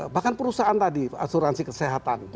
bahkan perusahaan tadi asuransi kesehatan